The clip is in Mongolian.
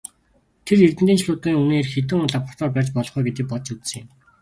Тэр эрдэнийн чулуунуудын үнээр хэдэн лаборатори барьж болох вэ гэдгийг бодож үзсэн юм.